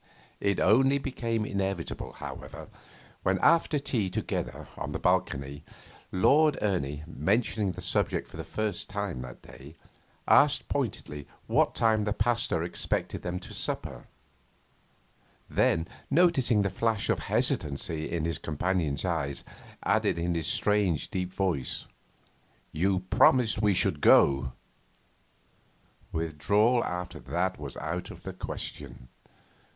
It only became inevitable, however, when, after tea together on the balcony, Lord Ernie, mentioning the subject for the first time that day, asked pointedly what time the Pasteur expected them to supper; then, noticing the flash of hesitancy in his companion's eyes, added in his strange deep voice, 'You promised we should go.' Withdrawal after that was out of the question.